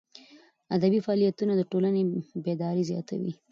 ادبي فعالیتونه د ټولني بیداري زیاتوي.